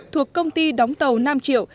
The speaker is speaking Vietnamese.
thuộc công ty đóng tàu nam triệu